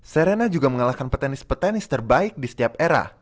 serena juga mengalahkan petenis petenis terbaik di setiap era